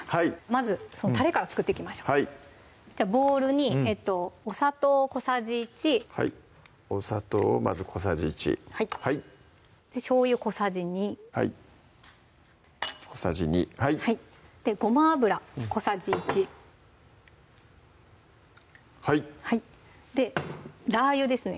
まずそのたれから作っていきましょうじゃあボウルにお砂糖小さじ１お砂糖をまず小さじ１しょうゆ小さじ２はい小さじ２はいでごま油小さじ１はいでラー油ですね